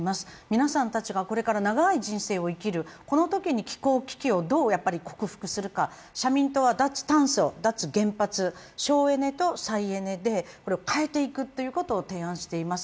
皆さんたちがこれから長い人生を生きる、このときに機構危機をどう克服するか社民党は脱炭素、省エネと再エネでこれを変えていくということを提案しています。